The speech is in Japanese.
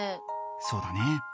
そうだね。